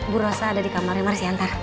bu rosa ada di kamar yang harus diantar